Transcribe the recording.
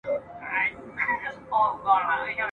له غلامه تر باداره شرمنده یې د روزګار کې !.